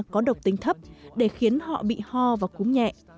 có độc tính thấp để khiến họ bị ho và cúm nhẹ